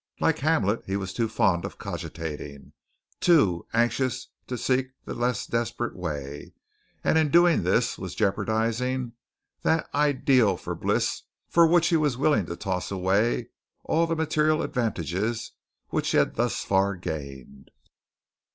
Like Hamlet, he was too fond of cogitating, too anxious to seek the less desperate way, and in doing this was jeopardizing that ideal bliss for which he was willing to toss away all the material advantages which he had thus far gained.